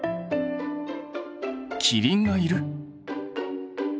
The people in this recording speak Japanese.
キリンがいる！？